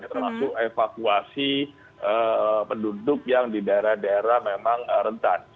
termasuk evakuasi penduduk yang di daerah daerah memang rentan